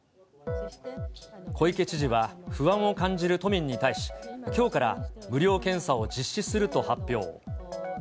小池知事は、不安を感じる都民に対し、きょうから無料検査を実施すると発表。